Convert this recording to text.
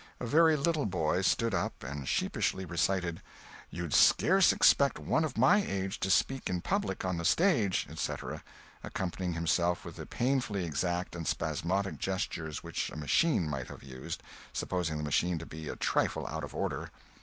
A very little boy stood up and sheepishly recited, "You'd scarce expect one of my age to speak in public on the stage," etc.—accompanying himself with the painfully exact and spasmodic gestures which a machine might have used—supposing the machine to be a trifle out of order.